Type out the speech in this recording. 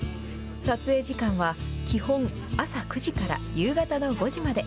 撮影時間は基本朝９時から夕方の５時まで。